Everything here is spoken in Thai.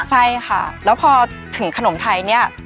ใช่ค่ะแล้วพอถึงขนมไทยเนี่ย